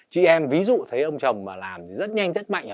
chị em ví dụ thấy ông chồng mà làm thì rất nhanh rất mạnh